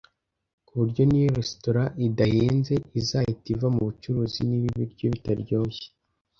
kuburyo niyo resitora idahenze, izahita iva mubucuruzi niba ibiryo bitaryoshye